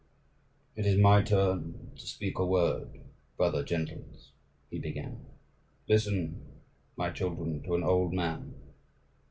"It is my turn to speak a word, brother gentles," he began: "listen, my children, to an old man.